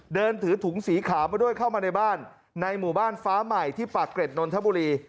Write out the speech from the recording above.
เดินถือถุงสีขาวมาด้วยเข้ามาในบ้านในหมู่บ้านฟ้าใหม่ที่ปากเกร็ดนนทบุรี